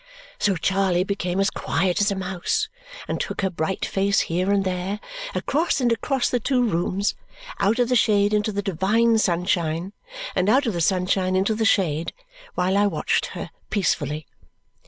So Charley became as quiet as a mouse and took her bright face here and there across and across the two rooms, out of the shade into the divine sunshine, and out of the sunshine into the shade, while I watched her peacefully.